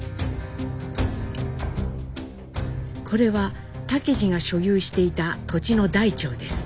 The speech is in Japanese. これは竹次が所有していた土地の台帳です。